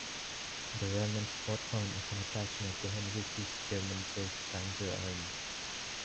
The remnants fought on as an attachment to Heinrici's German First Panzer Army.